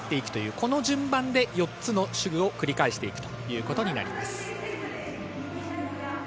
この順番で４つの手具を繰り返していくということになります。